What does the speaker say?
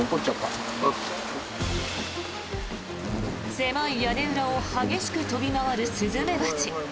狭い屋根裏を激しく飛び回るスズメバチ。